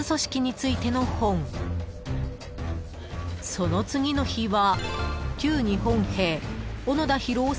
［その次の日は］